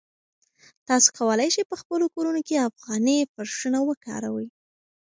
تاسي کولای شئ په خپلو کورونو کې افغاني فرشونه وکاروئ.